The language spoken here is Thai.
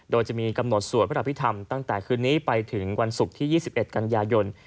โดยจะมีกำหนดสวดพระอภิษฐรรมตั้งแต่คืนนี้ไปถึงวันศุกร์ที่๒๑กันยายน